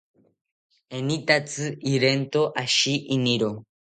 Enitatzi irento ashi iniro